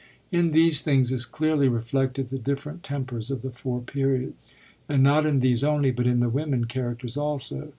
In these things is clearly reflected the diflFerent tem pers of the Four Periods ; and not in these only, but in the women characters also.